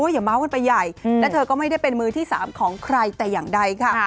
อย่าม้าวมึดมาใหญ่และเธอก็ไม่เป็นมือที่๓ของใครแต่อย่างใดค่ะ